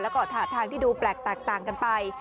แล้วก็ถาทางที่ดูแปลกแตกต่างกันไป